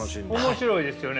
面白いですよね。